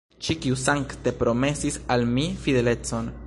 Ŝi, kiu sankte promesis al mi fidelecon!